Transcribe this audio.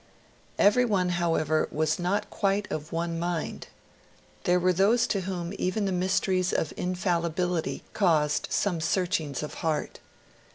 Everyone, however, was not quite of one mind. There were those to whom even the mysteries of infallibility caused some searchings of heart.